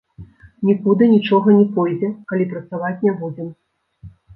Нікуды нічога не пойдзе, калі працаваць не будзем.